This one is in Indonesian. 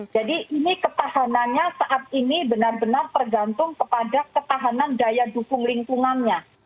jadi ini ketahanannya saat ini benar benar tergantung kepada ketahanan daya dukung lingkungannya